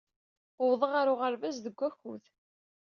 Wwḍeɣ ɣer uɣerbaz deg wakud.